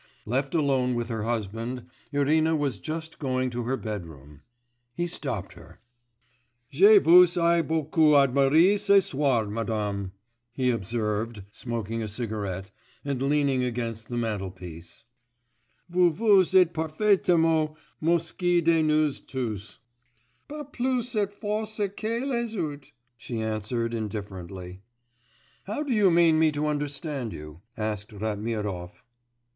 Left alone with her husband, Irina was just going to her bedroom.... He stopped her. 'Je vous ai beaucoup admirée ce soir, madame,' he observed, smoking a cigarette, and leaning against the mantelpiece, 'vous vous êtes parfaitement moquée de nous tous.' 'Pas plus cette fois ci que les autres,' she answered indifferently. 'How do you mean me to understand you?' asked Ratmirov.